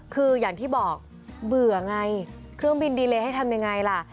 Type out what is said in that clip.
คืออย่างที่บอกเบื่อไงเครื่องบินดีเลยให้ทำยังไงล่ะ